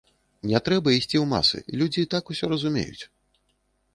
Не трэба ісці ў масы, людзі і так усё разумеюць.